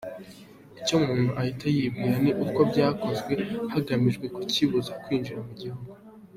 Icyo umuntu ahita yibwira ni uko byakozwe hagamijwe kukibuza kwinjira mu gihugu.